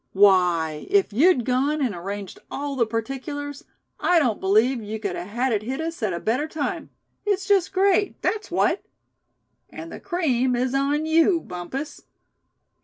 Why, if you'd gone and arranged all the particulars, I don't believe you could a had it hit us at a better time. It's just great, that's what." "And the cream is on you, Bumpus."